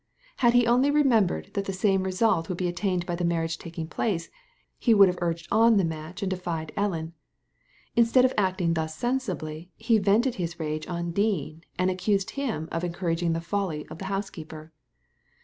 Had he only remembered that the same result would be attained by the marriage taking place, he would have urged on the match and defied Ellen. Instead of acting thus sensibly, he vented his rage on Dean, and accused him of encouraging the folly of the housekeeper.